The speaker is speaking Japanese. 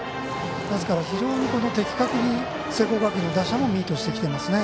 ですから非常に的確に聖光学院の打者もミートしてきていますね。